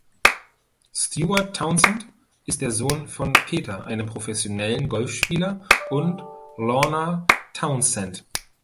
Stuart Townsend ist der Sohn von Peter, einem professionellen Golfspieler, und Lorna Townsend.